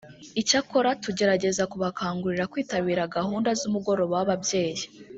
Icyakora tugerageza kubakangurira kwitabira gahunda z’umugoroba w’ababyeyi